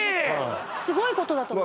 すごいことだと思う